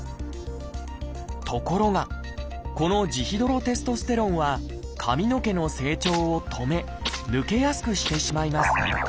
ところがこのジヒドロテストステロンは髪の毛の成長を止め抜けやすくしてしまいます。